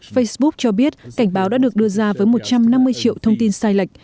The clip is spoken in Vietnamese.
facebook cho biết cảnh báo đã được đưa ra với một trăm năm mươi triệu thông tin sai lệch